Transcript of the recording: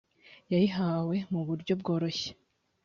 yayihawe mu buryo bworoshye